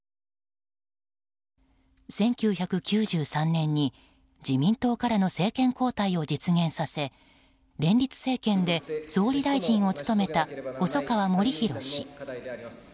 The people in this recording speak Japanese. １９９３年に自民党からの政権交代を実現させ連立政権で総理大臣を務めた細川護熙氏。